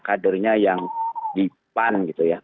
kadernya yang dipan